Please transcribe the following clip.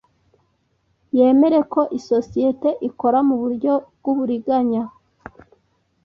Yemere ko isosiyete ikora mu buryo bw uburiganya